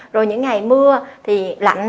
rồi những ngày mưa thì lạnh